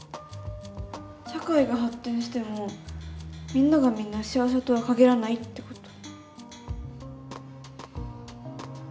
社会が発展してもみんながみんな幸せとは限らないってこと。